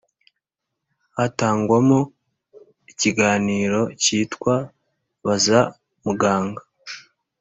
Hatangwamo ikiganiro cyitwa baza muganga